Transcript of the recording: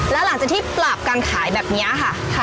แล้วหลังจากที่ปราบการขายแบบนี้ค่ะ